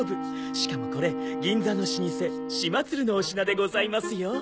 しかもこれ銀座の老舗「しまつる」のお品でございますよ。